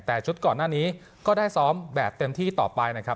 แต่ชุดก่อนหน้านี้ก็ได้ซ้อมแบบเต็มที่ต่อไปนะครับ